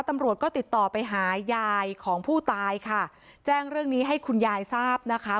ตำรวจก็ติดต่อไปหายายของผู้ตายค่ะแจ้งเรื่องนี้ให้คุณยายทราบนะคะ